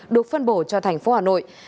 được phân bổ cho thành phố hà nội